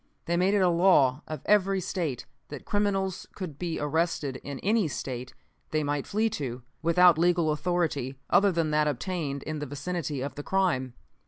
"They made it a law of every State that criminals could be arrested in any State they might flee to, without legal authority, other than that obtained in the vicinity of the crime.